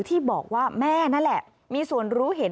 ที่บอกว่าแม่นั่นแหละมีส่วนรู้เห็น